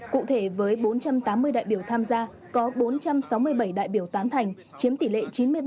cụ thể với bốn trăm tám mươi đại biểu tham gia có bốn trăm sáu mươi bảy đại biểu tán thành chiếm tỷ lệ chín mươi ba